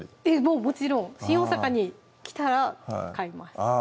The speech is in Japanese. もちろん新大阪に来たら買いますあぁ